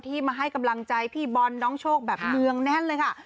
มาให้กำลังใจพี่บอลน้องโชคแบบเนืองแน่นเลยค่ะ